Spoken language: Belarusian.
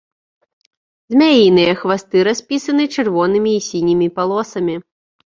Змяіныя хвасты распісаны чырвонымі і сінімі палосамі.